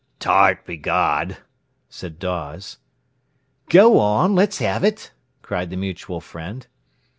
"Tart, begod!" said Dawes. "Go on; let's have it!" cried the mutual friend.